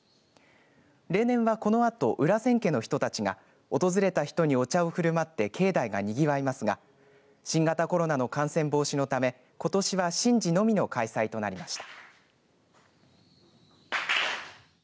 例年はこのあと裏千家の人たちが訪れた人にお茶を振る舞って境内がにぎわいますが新型コロナの感染防止のためことしは神事のみの開催となりました。